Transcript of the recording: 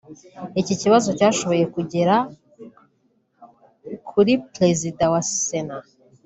Iki kibazo cyashoboye kugera kuri Perezida wa Sena